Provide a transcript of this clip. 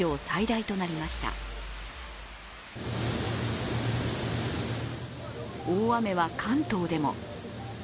大雨は関東でも。